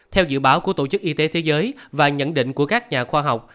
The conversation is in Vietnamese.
theo dự báo của tổ chức y tế thế giới và nhận định của các nhà khoa học